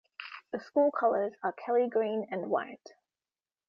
The school colors are Kelly Green and White.